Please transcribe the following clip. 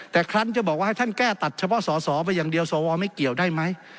แต่คลั้นจะบอกว่าให้ท่านแก้ตัดเฉพาะสอสอไปอย่างเดียวสวไม่เกี่ยวได้ไหม